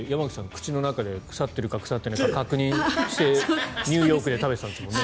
口の中で腐っているかどうか確認してニューヨークで食べてたんですもんね。